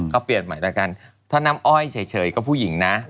ก็เปลี่ยนใหม่แล้วกันถ้าน้ำอ้อยเฉยก็ผู้หญิงนะ